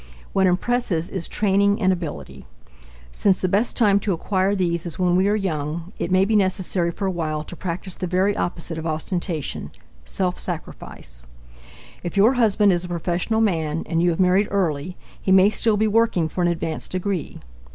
What impresses is training and ability. Since the best time to acquire these is when we are young, it may be necessary for a while to practice the very opposite of ostentation self sacrifice. If your husband is a professional man and you have married early, he may still be working for an advanced degree.